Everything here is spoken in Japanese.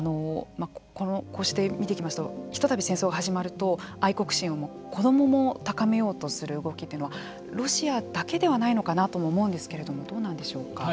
こうして見ていきますと一たび戦争が始まると愛国心を子どもも高めようとする動きっていうのはロシアだけではないのかなとも思うんですけれどもどうなんでしょうか？